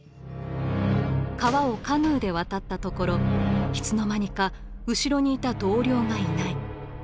川をカヌーで渡ったところいつの間にか後ろにいた同僚がいない。